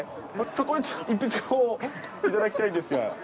そこに一筆、頂きたいんですが。